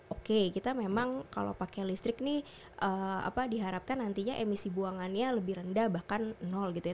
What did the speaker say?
oke kita memang kalau pakai listrik nih apa diharapkan nantinya emisi buangannya lebih rendah bahkan nol gitu ya